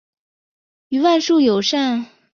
与万树友善。